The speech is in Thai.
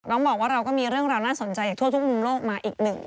บอกว่าเราก็มีเรื่องราวน่าสนใจจากทั่วทุกมุมโลกมาอีกหนึ่ง